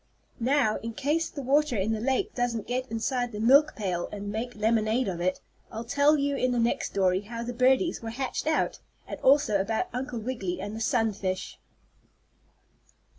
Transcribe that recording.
Now, in case the water in the lake doesn't get inside the milk pail and make lemonade of it, I'll tell you in the next story how the birdies were hatched out, and also about Uncle Wiggily and the sunfish.